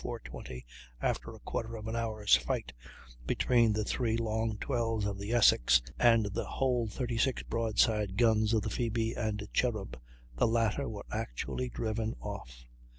20, after a quarter of an hour's fight between the three long 12's of the Essex, and the whole 36 broadside guns of the Phoebe and Cherub, the latter were actually driven off.